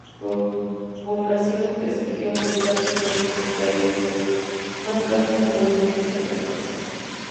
Población que siguió aumentando y fue necesario construir más casas como evidencia las casas.